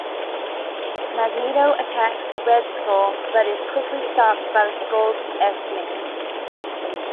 Magneto attacks Red Skull, but is quickly stopped by the Skull's S-Men.